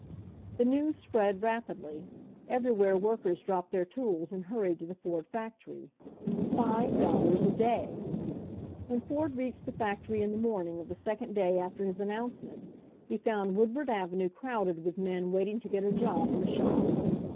The news spread rapidly. Everywhere work ers dropped their tools and hurried to the Ford factory. Five dollars a day! When Ford reached the factory in the morn ing of the second day after his announcement, he found Woodward avenue crowded with men waiting to get a job in the shops.